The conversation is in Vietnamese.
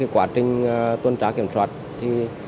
quá trình tuần tra kiểm soát